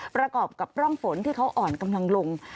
ประกอบกับร่องฝนที่เขาอ่อนกำลังลง